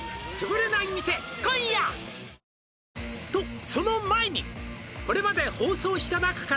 「とその前にこれまで放送した中から」